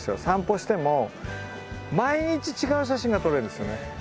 散歩しても毎日違う写真が撮れるんですよね。